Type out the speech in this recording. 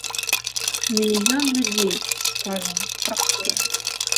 Мільён людзей, скажам, працуе.